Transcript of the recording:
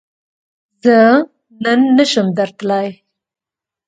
زۀ نن نشم درتلای